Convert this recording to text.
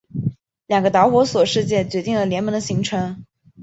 两个导火索事件决定了联盟的形成。